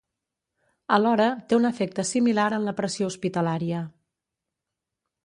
Alhora, té un efecte similar en la pressió hospitalària.